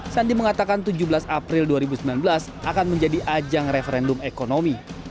sandi mengatakan tujuh belas april dua ribu sembilan belas akan menjadi ajang referendum ekonomi